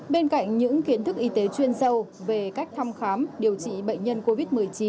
bên cạnh những kiến thức y tế chuyên sâu về cách thăm khám điều trị bệnh nhân covid một mươi chín